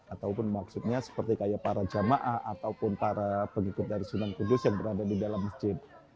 ataupun maksudnya seperti kayak para jamaah ataupun para pengikut dari sunan kudus yang berada di dalam masjid